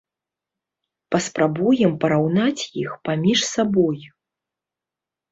Паспрабуем параўнаць іх паміж сабой.